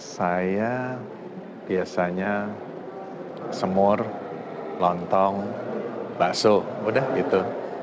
saya biasanya semur lontong bakso udah gitu